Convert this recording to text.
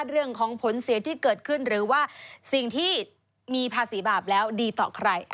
เรื่องของผลเสียที่เกิดขึ้นหรือว่าสิ่งที่มีภาษีบาปแล้วดีต่อใคร